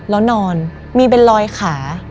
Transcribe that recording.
แล้วนอนมีเป็นรอยขา